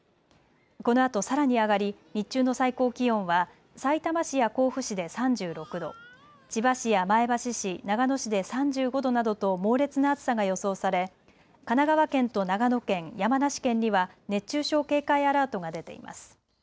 このあとさらに上がり日中の最高気温はさいたま市や甲府市で３６度、千葉市や前橋市、長野市で３５度などと猛烈な暑さが予想され神奈川県と長野県、山梨県には熱中症警戒アラートが出ています。